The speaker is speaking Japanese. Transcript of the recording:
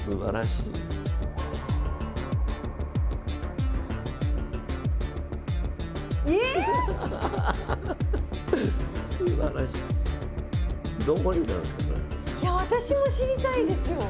いや私も知りたいですよ。